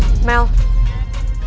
titik gak ada alesan